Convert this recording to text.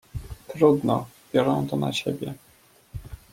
"Trudno, biorę to na siebie!"